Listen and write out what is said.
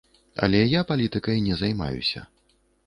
Але я палітыкай не займаюся.